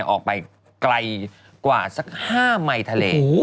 ออกไปไกลกว่าสัก๕ไมค์ทะเล